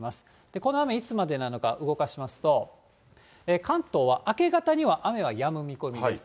この雨、いつまでなのか動かしますと、関東は明け方には雨はやむ見込みです。